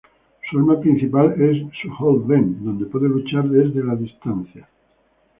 Su arma principal es su Hold Vent, donde puede luchar desde la distancia.